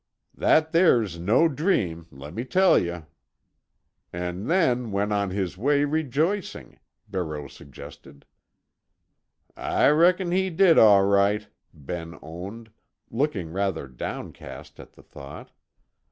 That there's no dream, let me tell yuh." "And then went on his way rejoicing," Barreau suggested. "I reckon he did, all right," Ben owned, looking rather downcast at the thought.